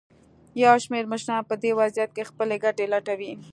یو شمېر مشران په دې وضعیت کې خپلې ګټې لټوي.